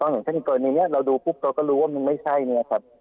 อย่างเช่นกรณีนี้เราดูปุ๊บเราก็รู้ว่ามันไม่ใช่เนี่ยครับ